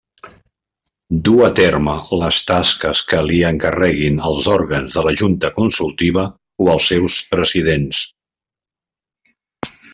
Dur a terme les tasques que li encarreguin els òrgans de la Junta Consultiva o els seus presidents.